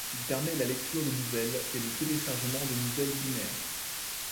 Il permet la lecture de nouvelles, et le téléchargement de nouvelles binaires.